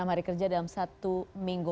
enam hari kerja dalam satu minggu